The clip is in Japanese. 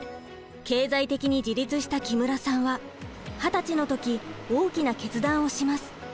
経済的に自立した木村さんは二十歳の時大きな決断をします。